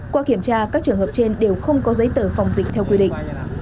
qua kiểm tra các trường hợp trên đều không có giấy tờ phòng dịch theo quy định